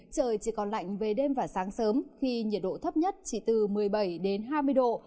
trời chỉ còn lạnh về đêm và sáng sớm khi nhiệt độ thấp nhất chỉ từ một mươi bảy đến hai mươi độ